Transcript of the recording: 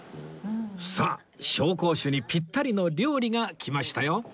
さあ紹興酒にピッタリの料理が来ましたよ